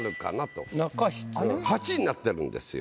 ８になってるんですよ。